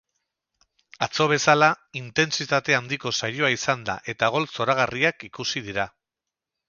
Atzo bezala, intentsitate handiko saioa izan da eta gol zoragarriak ikusi dira.